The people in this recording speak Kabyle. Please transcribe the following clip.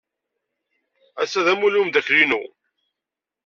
Ass-a d amulli n umeddakel-inu.